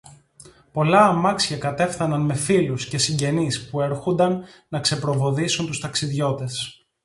Πολλά αμάξια κατάφθαναν με φίλους και συγγενείς, που έρχουνταν να ξεπροβοδίσουν τους ταξιδιώτες